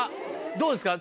どうですか？